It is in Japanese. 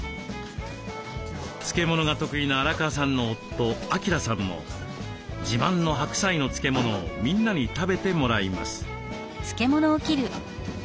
漬物が得意な荒川さんの夫・明さんも自慢の白菜の漬物をみんなに食べてもらいます。